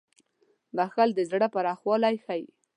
• بښل د زړه پراخوالی ښيي.